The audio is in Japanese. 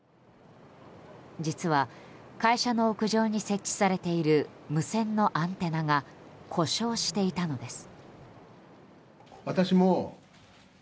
実は会社の屋上に設置されている無線のアンテナが故障していたのです。